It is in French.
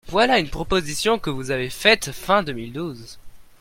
Voilà une proposition que vous avez faite fin deux mille douze.